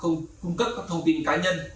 không cung cấp các thông tin cá nhân